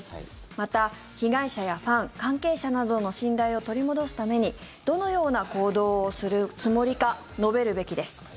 また、被害者やファン関係者などの信頼を取り戻すためにどのような行動をするつもりか述べるべきです。